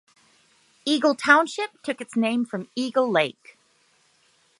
Eagle Township took its name from Eagle Lake.